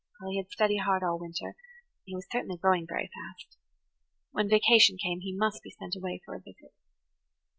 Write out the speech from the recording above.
Well, he had studied hard all winter, and he was certainly growing very fast. When vacation came he must be sent away for a visit.